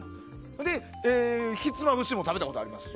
ひつまぶしも食べたことあります。